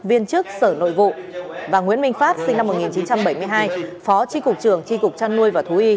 viên chức sở nội vụ và nguyễn minh phát sinh năm một nghìn chín trăm bảy mươi hai phó tri cục trường tri cục trăn nuôi và thú y